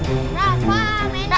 beneran belas duit itu